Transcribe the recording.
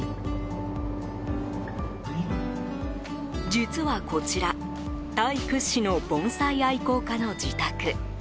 実はこちらタイ屈指の盆栽愛好家の自宅。